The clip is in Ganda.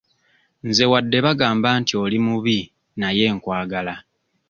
Nze wadde bagamba nti oli mubi naye nkwagala.